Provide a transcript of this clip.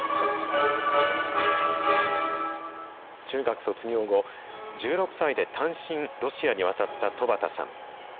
中学卒業後、１６歳で単身、ロシアに渡った戸畑さん。